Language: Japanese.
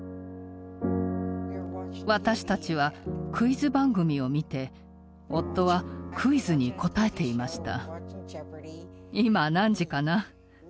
私たちはクイズ番組を見て夫はクイズに答えていました。